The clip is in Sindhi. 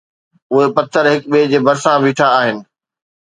اهي پٿر هڪ ٻئي جي ڀرسان بيٺا آهن